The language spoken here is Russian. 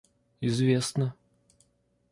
известно